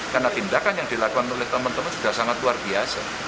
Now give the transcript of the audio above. karena tindakan yang dilakukan oleh teman teman sudah sangat luar biasa